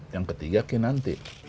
yang ketiga ki nanti